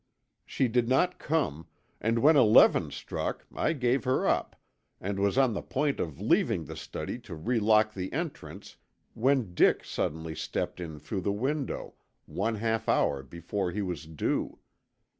She did not come, and when eleven struck I gave her up and was on the point of leaving the study to relock the entrance when Dick suddenly stepped in through the window, one half hour before he was due.